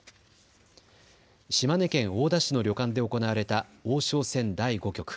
島根県大田市の旅館で行われた王将戦第５局。